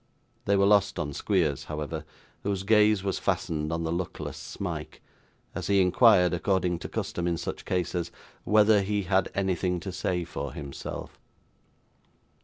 They were lost on Squeers, however, whose gaze was fastened on the luckless Smike, as he inquired, according to custom in such cases, whether he had anything to say for himself.